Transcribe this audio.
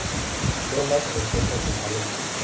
Lola se reencuentra con Valeria.